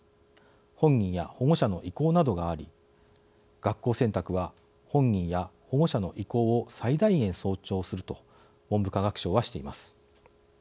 本人や保護者の意向などがあり学校選択は本人や保護者の意向を最大限尊重すると文部科学省はしています。